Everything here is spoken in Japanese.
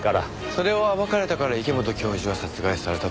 それを暴かれたから池本教授は殺害されたという事ですか？